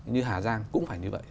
như hà giang cũng phải như vậy